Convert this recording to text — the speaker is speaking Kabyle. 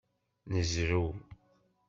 Nezrew.